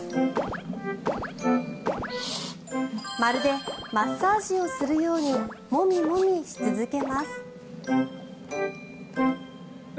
まるで、マッサージをするようにモミモミし続けます。